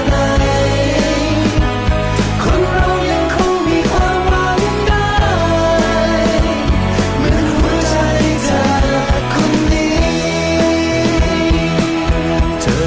คนเรายังคงมีความหวังได้